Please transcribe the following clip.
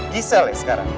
ki salah ya sekarang